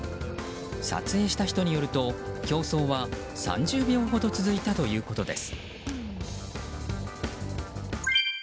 撮影した人によると競争は３０秒ほど続いたということです。